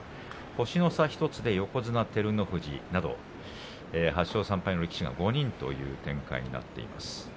星の差１つで横綱照ノ富士らと８勝３敗の力士が５人という展開になっています。